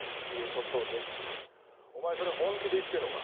お前それ本気で言ってんのか？